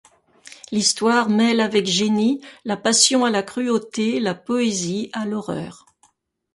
L’histoire mêle avec génie la passion à la cruauté, la poésie à l’horreur.